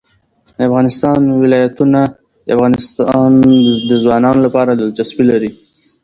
د افغانستان ولايتونه د افغان ځوانانو لپاره دلچسپي لري.